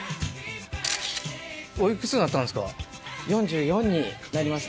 お幾つになったんですか？